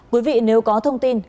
quý vị nếu có thông tin